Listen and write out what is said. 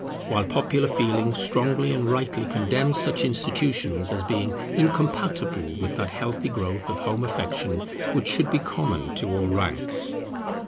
while popular feeling strongly and rightly condemns such institutions, as being incompatible with that healthy growth of home affection which should be common to all ranks.